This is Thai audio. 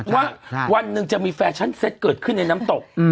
ว่าวันหนึ่งจะมีแฟชั่นเซ็ตเกิดขึ้นในน้ำตก